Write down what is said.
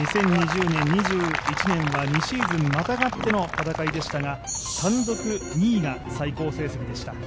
２０２０年、２１年は２シーズンまたがっての戦いでしたが単独２位が最高成績でした。